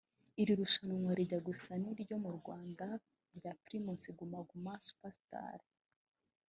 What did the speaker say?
Iri rushanwa rijya gusa n’iryo mu Rwanda rya Primus Guma Guma Super Star